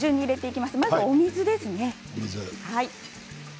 まず、お水ですね。